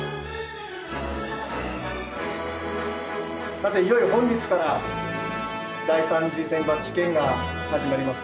「さていよいよ本日から第３次選抜試験が始まります。